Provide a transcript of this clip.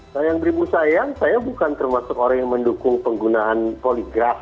sayang beribu sayang saya bukan termasuk orang yang mendukung penggunaan poligraf